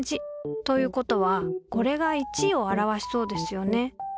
ということはこれが１をあらわしそうですよね？